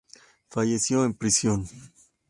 Falleció en prisión.